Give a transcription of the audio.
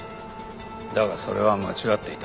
だがそれは間違っていた。